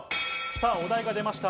お題が出ました。